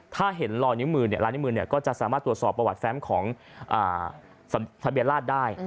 ถ้าเห็นลอยนิ้วมือลายนิ้วมือก็จะสามารถตรวจสอบประวัติแฟมของทะเบียนราชได้